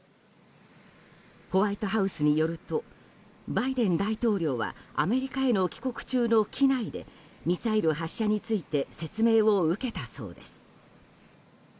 ホワイトハウスによるとバイデン大統領はアメリカへの帰国中の機内でミサイル発射について説明を受けたそうです。